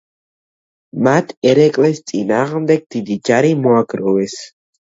მათ ერეკლეს წინააღმდეგ დიდი ჯარი მოაგროვეს.